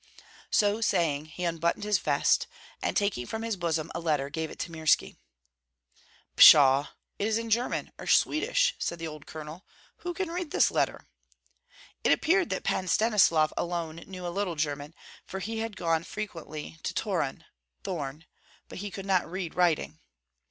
So saying, he unbuttoned his vest, and taking from his bosom a letter, gave it to Mirski. "Pshaw! it is in German or Swedish," said the old colonel. "Who can read this letter?" It appeared that Pan Stanislav alone knew a little German, for he had gone frequently to Torun (Thorn), but he could not read writing.